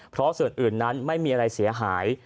เพราะส่วนอื่นนั้นไม่มีอะไรเสียหาย